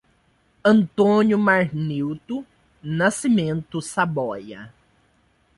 Antônio Marnilto Nascimento Saboia